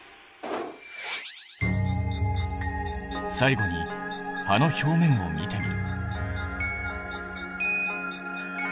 最後に葉の表面を見てみる。